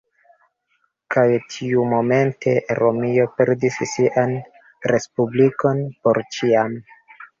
Kaj tiumomente Romio perdis sian Respublikon por ĉiam.